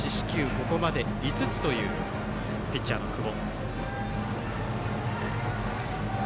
ここまで５つというピッチャーの久保。